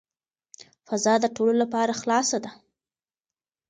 فضا د ټولو لپاره خلاصه ده.